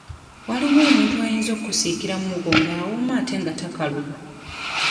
Waliwo omuntu ayinza okkusiikira muwogo ng'awooma ate nga takaluba.